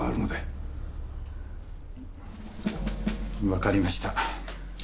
わかりました。